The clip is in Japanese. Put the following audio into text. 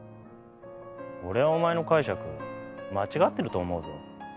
俺はお前の解釈間違ってると思うぞ。